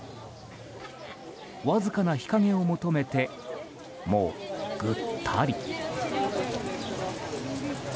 わずかな日陰を求めてもうぐったり。